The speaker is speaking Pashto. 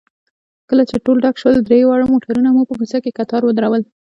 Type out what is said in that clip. کله چې ټول ډک شول، درې واړه موټرونه مو په کوڅه کې کتار ودرول.